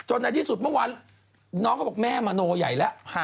ในที่สุดเมื่อวานน้องเขาบอกแม่มโนใหญ่แล้ว